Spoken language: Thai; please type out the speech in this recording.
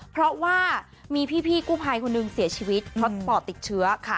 เพราะว่ามีพี่กู้ภัยคนหนึ่งเสียชีวิตเพราะปอดติดเชื้อ